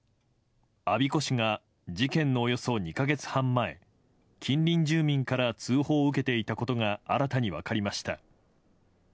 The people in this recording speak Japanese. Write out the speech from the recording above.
我孫子市が事件のおよそ２か月半前近隣住民から通報を受けていたことが新たに分かりました。